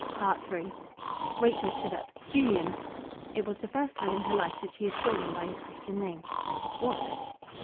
'" III Rachel stood up. "Julian!" It was the first time in her life that she had called him by his Christian name. "What?"